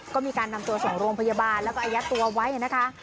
ก็มีการนำตัวส่งโรงพยาบาลแล้วก็อายัดตัวไว้นะคะ